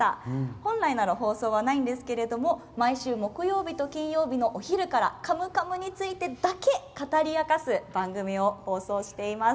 本来なら放送はないんですけど毎週木曜日と金曜日のお昼から「カムカム」についてだけ語り明かす番組を放送しています。